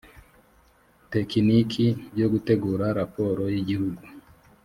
tekiniki byo gutegura raporo y igihugu